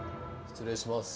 失礼します。